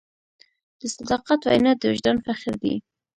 د صداقت وینا د وجدان فخر دی.